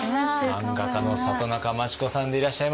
マンガ家の里中満智子さんでいらっしゃいます。